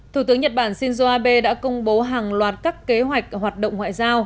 thủ tướng nhật bản shinzo abe đã công bố hàng loạt các kế hoạch hoạt động ngoại giao